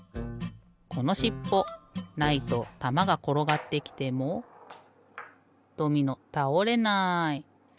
このしっぽないとたまがころがってきてもドミノたおれない。